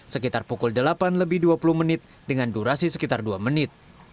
sekitar pukul delapan lebih dua puluh menit dengan durasi sekitar dua menit